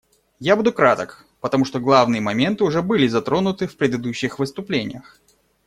Я буду краток, потому что главные моменты уже были затронуты в предыдущих выступлениях.